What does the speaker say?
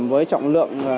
với trọng lượng